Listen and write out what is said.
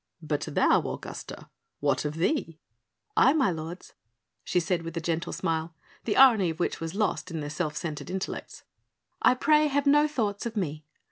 "But thou, Augusta, what of thee?" "I, my lords," she said with a gentle smile, the irony of which was lost on their self centred intellects, "I pray you have no thoughts of me.